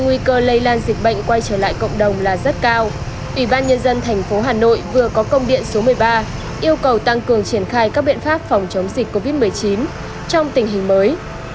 vì dịch bệnh quay trở lại cộng đồng là rất cao ủy ban nhân dân tp hcm vừa có công điện số một mươi ba yêu cầu tăng cường triển khai các biện pháp phòng chống dịch covid một mươi chín trong tình hình mới